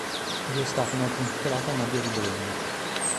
Gli è stata inoltre intitolata una via di Bologna.